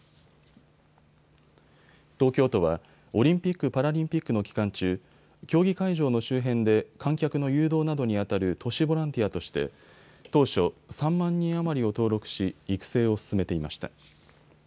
東京都は、オリンピック・パラリンピックの期間中、競技会場の周辺で観客の誘導などにあたる都市ボランティアとして当初、３万人余りを登録し育成を進めていました。